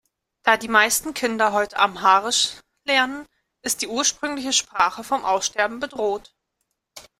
Da die meisten Kinder heute Amharisch lernen, ist die ursprüngliche Sprache vom Aussterben bedroht.